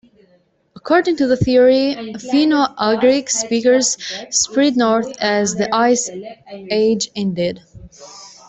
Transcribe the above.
According to this theory, Finno-Ugric speakers spread north as the Ice age ended.